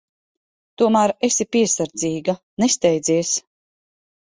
Tomēr esi piesardzīga. Nesteidzies.